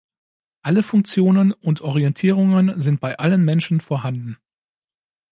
Alle Funktionen und Orientierungen sind bei allen Menschen vorhanden.